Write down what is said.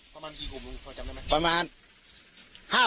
ประมาณกี่กลุ่มคุณพอจำได้ไหม